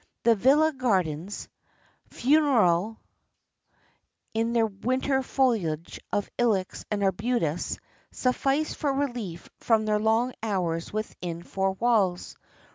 The villa gardens, funereal in their winter foliage of ilex and arbutus, sufficed for relief from the long hours within four walls.